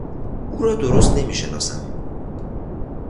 او را درست نمیشناسم.